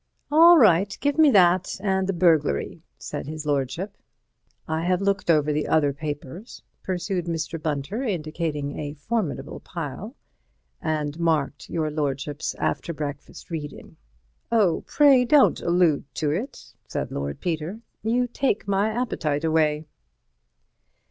"All right, give me that and the burglary," said his lordship. "I have looked over the other papers," pursued Mr. Bunter, indicating a formidable pile, "and marked your lordship's after breakfast reading." "Oh, pray don't allude to it," said Lord Peter, "you take my appetite away."